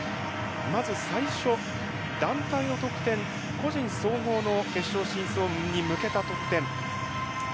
まず最初、団体の得点個人総合の決勝進出に向けた得点